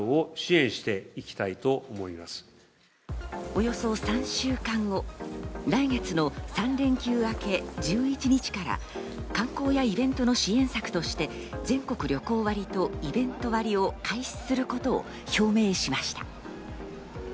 およそ３週間後、来月の３連休明け、１１日から観光やイベントの支援策として全国旅行割とイベント割を開始することを表明しました。